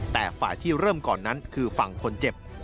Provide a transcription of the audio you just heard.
แต่ฝ่ายที่เริ่มก่อนนั้นคือฝั่งคนเจ็บ